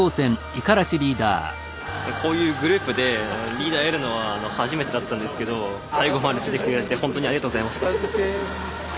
こういうグループでリーダーやるのは初めてだったんですけど最後までついてきてくれて本当にありがとうございました。